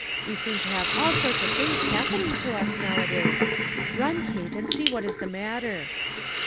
We seem to have all sorts of things happening to us nowadays. Run, Kate, and see what is the matter."